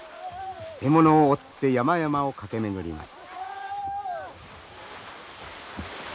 獲物を追って山々を駆け巡ります。